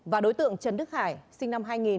và đối tượng trần đức hải sinh năm hai nghìn